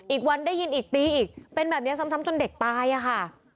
อีกวันได้ยินอีกตีอีกเป็นแบบนี้ซ้ำจนเด็กตายอะค่ะ